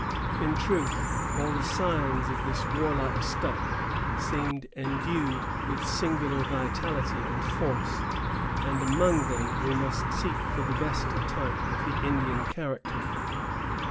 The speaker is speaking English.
In truth, all the scions of this warlike stock seem endued with singular vitality and force, and among them we must seek for the best type of the Indian character.